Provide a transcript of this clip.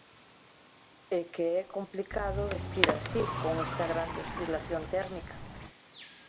E que é complicado vestir así, con esta grande oscilación térmica.